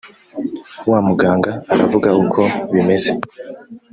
wa muganga aravuga uko bimeze